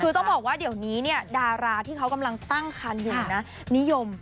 คือต้องบอกว่าเดี๋ยวนี้เนี่ยดาราที่เขากำลังตั้งคันอยู่นะนิยม